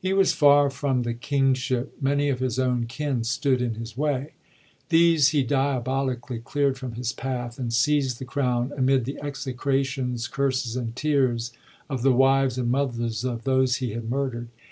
He was far from the king ship : many of his own kin stood in his way. These he diabolically cleard from his path, and seizd the crown, amid the execrations, curses and tears of the wives and mothers of those he had murderd.